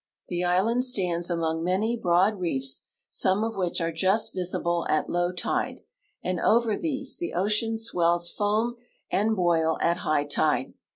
The island stands among many broad reefs, some of which are just visilde at low tide, and over these the ocean swells foain and boil at high tide.